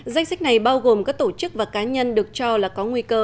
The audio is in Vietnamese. danh sách này bao gồm các tổ chức và cá nhân được cho là có nguy cơ